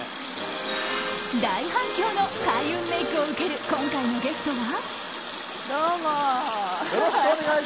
大反響の開運メイクを受ける今回のゲストは。